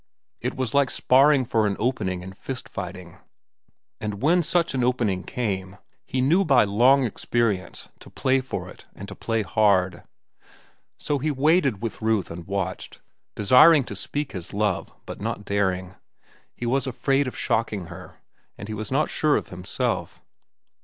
It was like sparring for an opening in fist fighting. And when such an opening came, he knew by long experience to play for it and to play hard. So he waited with Ruth and watched, desiring to speak his love but not daring. He was afraid of shocking her, and he was not sure of himself.